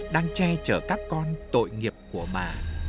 đang che chở các con tội nghiệp của bà